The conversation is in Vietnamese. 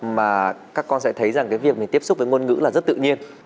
mà các con sẽ thấy rằng cái việc mình tiếp xúc với ngôn ngữ là rất tự nhiên